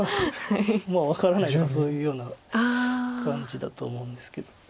「分からない」とかそういうような感じだと思うんですけど。